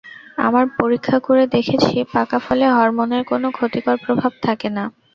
আমরা পরীক্ষা করে দেখেছি, পাকা ফলে হরমোনের কোনো ক্ষতিকর প্রভাব থাকে না।